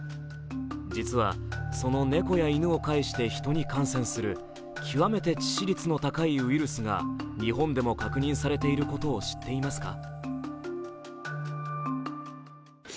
実はその猫や犬を介してヒトに感染する極めて致死率の高いウイルスが日本でも確認されていることを知っていますか？